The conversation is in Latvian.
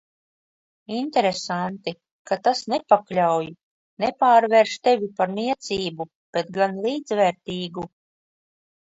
Interesanti, ka tas nepakļauj, nepārvērš tevi par niecību, bet gan līdzvērtīgu.